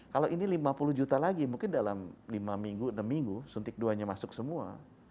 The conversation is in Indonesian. kalau ini lima puluh juta lagi mungkin dalam lima minggu enam minggu suntik dua nya masuk semua